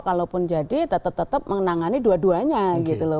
kalaupun jadi tetap tetap menangani dua duanya gitu loh